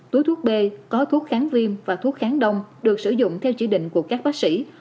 thuốc b có thuốc kháng viêm và thuốc kháng đông được sử dụng theo chỉ định của các bác sĩ